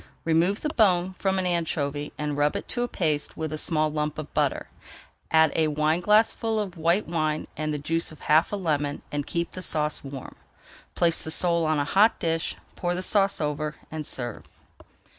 Remove the bone from an anchovy and rub it to a paste with a small lump of butter. Add a wineglassful of white wine and the juice of half a lemon and keep the sauce warm. [Page 380] Place the sole on a hot dish, pour the sauce over and serve.